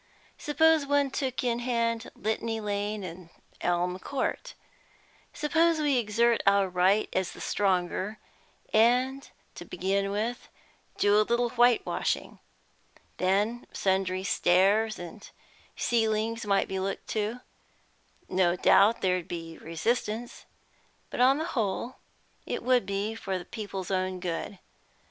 Suppose one took in hand Litany Lane and Elm Court? Suppose we exert our right as the stronger, and, to begin with, do a little whitewashing? Then sundry stairs and ceilings might be looked to. No doubt there'd be resistance, but on the whole it would be for the people's own good.